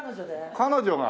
彼女が！